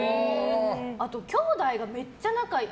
あと、きょうだいがめっちゃ仲いい。